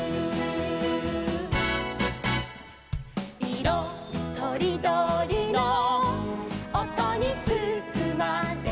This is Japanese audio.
「いろとりどりのおとにつつまれて」